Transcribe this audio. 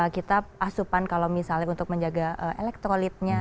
kita asupan kalau misalnya untuk menjaga elektrolitnya